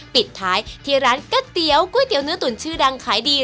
ปิดท้ายที่ร้านก๋วยเตี๋ยวก๋วยเตี๋ยเนื้อตุ๋นชื่อดังขายดี